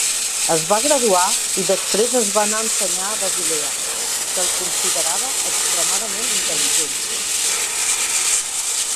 Es va graduar i després es va anar a ensenyar a Basilea, se'l considerava extremadament intel·ligent.